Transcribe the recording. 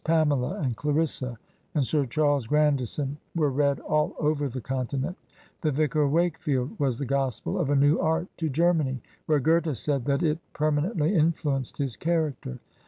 "Pamela," and "Clarissa," and "Sir Charles Grandison" were read all over the Continent. The "Vicar of Wakefield" was the gospel of a new art to Germany, where Goethe said that it per manently influenced his character.